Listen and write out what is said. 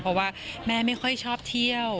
เพราะว่าแม่ไม่ค่อยชอบเที่ยว